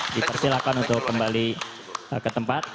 dipersilakan untuk kembali ke tempat